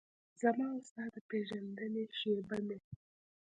زما او ستا د پیژندنې شیبه مې